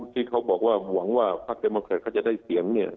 ที่เขาบอกว่าหวังว่าภาคเดมอร์แคร์จะได้เสียง